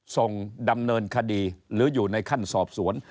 ส่งดำเนินคดีหรืออยู่ในขั้นสอบสวน